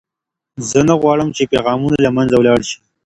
زه نه غواړم چې پیغامونه له منځه ولاړ شي.